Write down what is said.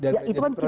ya itu kan kira kira